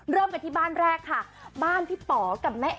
เริ่มกันที่บ้านแรกค่ะบ้านพี่ป๋อกับแม่